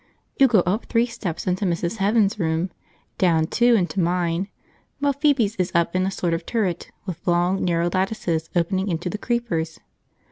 You go up three steps into Mrs. Heaven's room, down two into mine, while Phoebe's is up in a sort of turret with long, narrow lattices opening into the creepers.